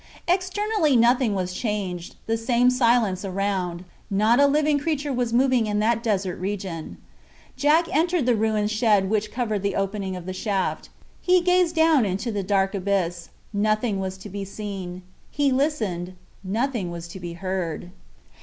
Externally nothing was changed. The same silence around. Not a living creature was moving in that desert region. Jack entered the ruined shed which covered the opening of the shaft. He gazed down into the dark abyss—nothing was to be seen. He listened—nothing was to be heard.